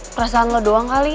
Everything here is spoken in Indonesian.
kerasaan lo doang kali